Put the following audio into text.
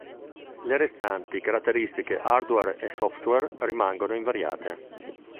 Le restanti caratteristiche hardware e software rimangono invariate.